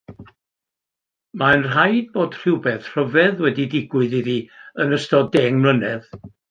Mae'n rhaid bod rhywbeth rhyfedd wedi digwydd iddi yn ystod deng mlynedd.